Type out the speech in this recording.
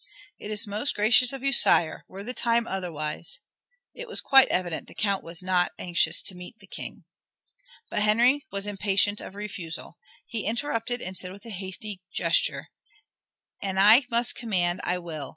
"It is most gracious of you, sire. Were the time otherwise " It was quite evident that the Count was anxious not to meet the King. But Henry was impatient of refusal. He interrupted, and said with a hasty gesture, "An I must command I will.